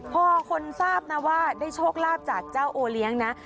พอคนทราบนะว่าได้โชคลาภจากเจ้าโอเลี้ยงนะ